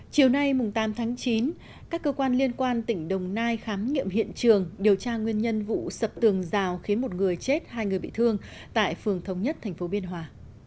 chiều nay tám tháng chín các cơ quan liên quan tỉnh đồng nai khám nghiệm hiện trường điều tra nguyên nhân vụ sập tường rào khiến một người chết hai người bị thương tại phường thống nhất tp biên hòa